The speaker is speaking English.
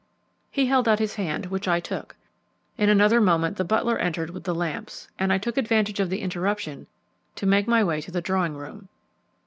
He held out his hand, which I took. In another moment the butler entered with the lamps, and I took advantage of the interruption to make my way to the drawing room.